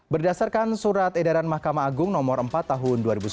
berdasarkan surat edaran mahkamah agung nomor empat tahun dua ribu sembilan belas